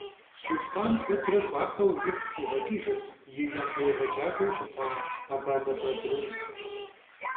Сулътӏан куэдрэ гуапэу игу къигъэкӏыжырт и япэ егъэджакӏуэу щыта Абазэ Бадрун.